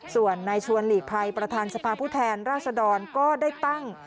ส่วนในชวนหลีกภัยประธานสภาพผู้แทนราษดรก็ได้ตั้ง